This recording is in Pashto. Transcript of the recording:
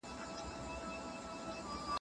اولادونه یې لرل.